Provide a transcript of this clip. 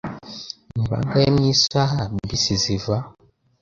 Ni bangahe mu isaha bisi ziva?